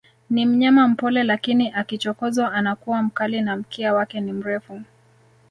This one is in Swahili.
Ni mnyama mpole lakini akichokozwa anakuwa mkali na mkia wake ni mrefu